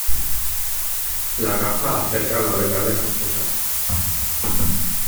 La caza acerca a la verdad de las cosas.